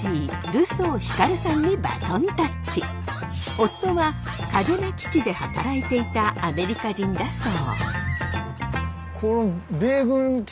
夫は嘉手納基地で働いていたアメリカ人だそう。